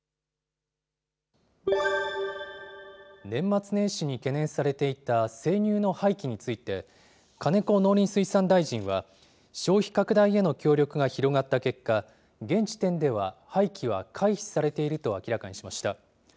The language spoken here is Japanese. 年末年始に懸念されていた生乳の廃棄について、金子農林水産大臣は、消費拡大への協力が広がった結果、現時点では廃棄は回避されていると明らかにしました。